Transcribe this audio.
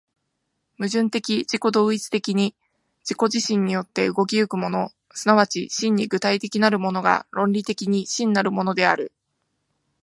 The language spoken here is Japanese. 矛盾的自己同一的に自己自身によって動き行くもの、即ち真に具体的なるものが、論理的に真なるものである。